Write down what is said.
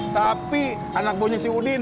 sapi anak bonya sih udin